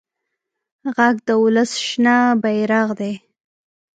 غږ د ولس شنه بېرغ دی